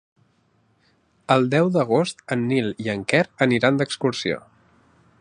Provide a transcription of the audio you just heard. El deu d'agost en Nil i en Quer aniran d'excursió.